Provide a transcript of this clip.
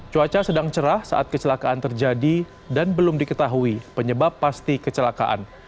cuaca sedang cerah saat kecelakaan terjadi dan belum diketahui penyebab pasti kecelakaan